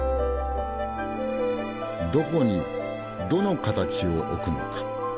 どこにどの形を置くのか？